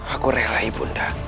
aku relai bunda